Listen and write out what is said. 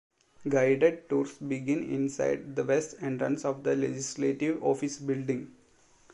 Guided tours begin inside the West Entrance of the Legislative Office Building.